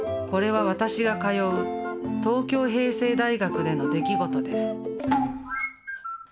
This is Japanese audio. これは私が通う東京平成大学での出来事です。